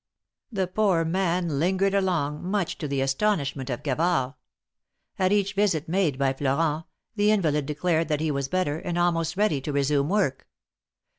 The poor man lingered along, much to the astonishment of Gavard. At each visit made by Florent, the invalid declared that he was better, and almost ready to resume work.